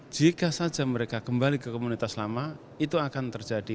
jika saja mereka kembali ke komunitas lama itu akan terjadi